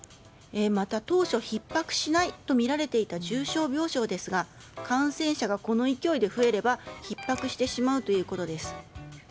また当初ひっ迫しないとみられていた重症病床ですが感染者がこの勢いで増えればひっ迫してしまうということです。